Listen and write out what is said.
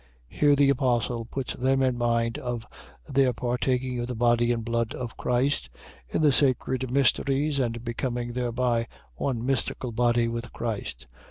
. .Here the apostle puts them in mind of their partaking of the body and blood of Christ in the sacred mysteries, and becoming thereby one mystical body with Christ.